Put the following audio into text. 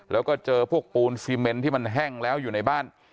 แล้วก็เจอพวกปูนซีเมนที่มันแห้งแล้วอยู่ในบ้าน